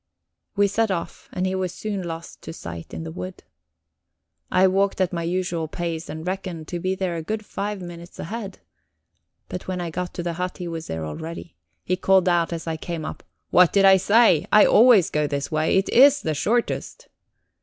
We set off, and he was soon lost to sight in the wood. I walked at my usual pace, and reckoned to be there a good five minutes ahead. But when I got to the hut he was there already. He called out as I came up: "What did I say? I always go this way it is the shortest."